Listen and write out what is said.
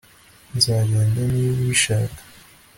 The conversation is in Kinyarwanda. nzagenda niba ubishaka